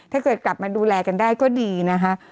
ถ้าเกิดกลับมาดูแลกันได้ก็ดีนะคะ